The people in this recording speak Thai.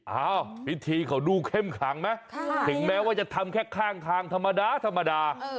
อ้าวพิธีเขาดูเข้มขังไหมถึงแม้ว่าจะทำแค่ข้างทางธรรมดาธรรมดา